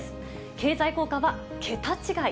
経済効果は桁違い。